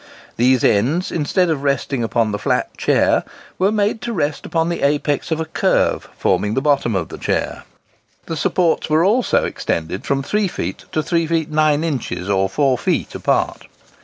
These ends, instead of resting upon the flat chair, were made to rest upon the apex of a curve forming the bottom of the chair. The supports were also extended from three feet to three feet nine inches or four feet apart.